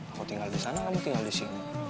aku tinggal di sana kamu tinggal di sini